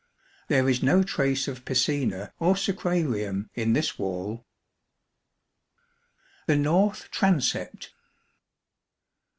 There is no trace of piscina or sacrarium in this wall. The North Transept.